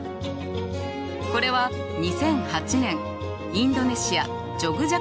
これは２００８年インドネシア・ジョグ